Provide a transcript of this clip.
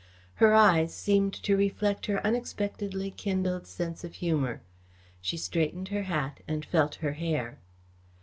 Her eyes seemed to reflect her unexpectedly kindled sense of humour. She straightened her hat and felt her hair.